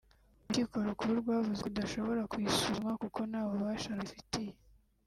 urukiko rukuru rwavuze ko rudashobora kuyisuzuma kuko nta bubasha rubifitiye